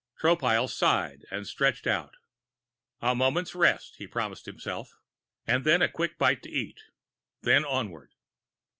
Tropile sighed and stretched out. A moment's rest, he promised himself, and then a quick bite to eat, and then onward....